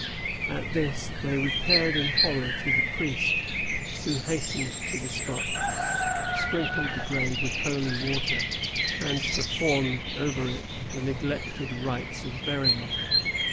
At this, they repaired in horror to the priest, who hastened to the spot, sprinkled the grave with holy water, and performed over it the neglected rites of burial.